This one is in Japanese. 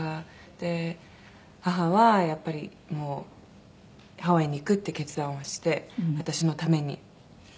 で母はやっぱりもうハワイに行くって決断をして私のために。